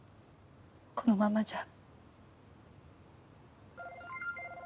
このままじゃ。